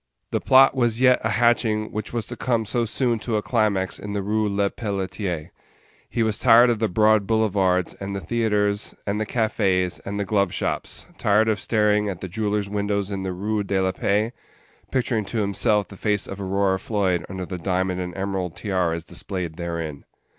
The plot was yet a hatching which was to come so soon to a climax in the Rue Lepelletier. He was tired of the broad boulevards, and the theatres, and the cafés, and the glove shops tired of staring at the jewellers' windows in the Rue de la Paix, picturing to himself the face of Aurora Floyd under the diamond and emerald tiaras displayed therein.